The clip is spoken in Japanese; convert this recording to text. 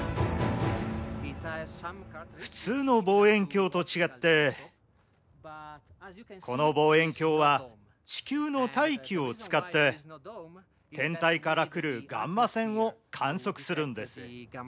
普通の望遠鏡と違ってこの望遠鏡は地球の大気を使って天体から来るガンマ線を観測するんです。